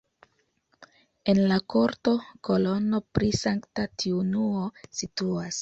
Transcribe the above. En la korto kolono pri Sankta Triunuo situas.